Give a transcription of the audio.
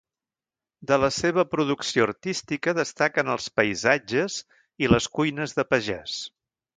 De la seva producció artística destaquen els paisatges i les cuines de pagès.